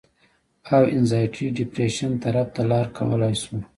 او انزائټي ډپرېشن طرف ته لار کولاو شي